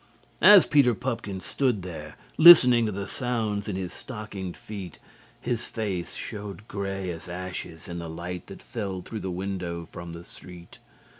As Peter Pupkin stood there listening to the sounds in his stockinged feet, his faced showed grey as ashes in the light that fell through the window from the street.